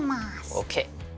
ＯＫ！